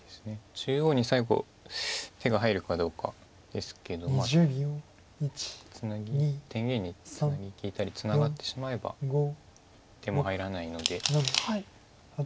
中央に最後手が入るかどうかですけどまあツナギ天元にツナギ利いたりツナがってしまえば手も入らないので。